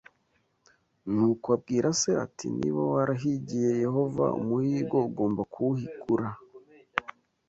Nuko abwira se ati niba warahigiye Yehova umuhigo ugomba kuwuhigura